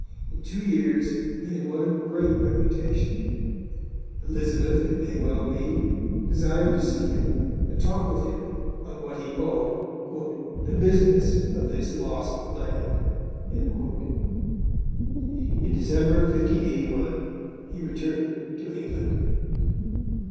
In two years he had won a great reputation. Elizabeth, it may well be, desired to see him, and talk with him on what he called 'the business of this lost land.' In December 1581 he returned to England.